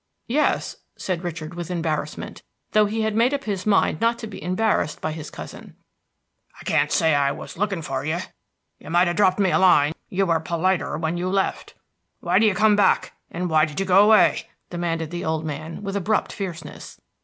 "Yes," said Richard, with embarrassment, though he had made up his mind not to be embarrassed by his cousin. "I can't say I was looking for you. You might have dropped me a line; you were politer when you left. Why do you come back, and why did you go away?" demanded the old man, with abrupt fierceness.